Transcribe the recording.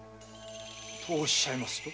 とおっしゃいますと？